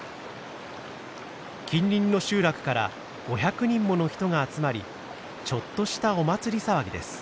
近隣の集落から５００人もの人が集まりちょっとしたお祭り騒ぎです。